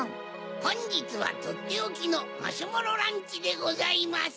ほんじつはとっておきのマシュマロランチでございます。